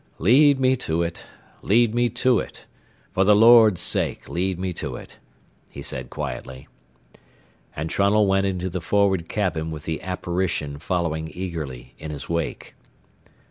"Lead me to it! Lead me to it! For the Lord's sake, lead me to it!" he said quietly. And Trunnell went into the forward cabin with the apparition following eagerly in his wake.